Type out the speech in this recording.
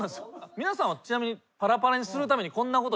皆さんはちなみに。